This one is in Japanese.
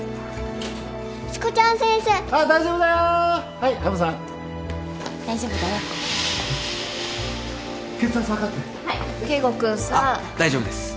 あっ大丈夫です。